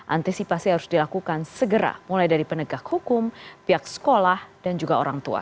antisipasi harus dilakukan segera mulai dari penegak hukum pihak sekolah dan juga orang tua